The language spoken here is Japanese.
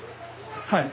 はい。